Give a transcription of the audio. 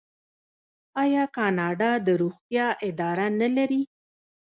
آیا کاناډا د روغتیا اداره نلري؟